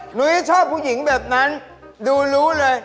หนูจะชอบผู้หญิงแบบนั้นดูรู้เลย